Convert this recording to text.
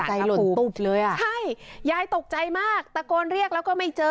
ตกสังข์นะครูใช่ยายตกใจมากตะโกนเรียกแล้วก็ไม่เจอ